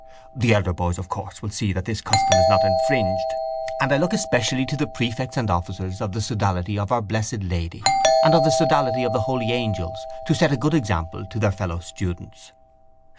The elder boys, of course, will see that this custom is not infringed and I look especially to the prefects and officers of the sodality of Our Blessed Lady and of the sodality of the holy angels to set a good example to their fellow students.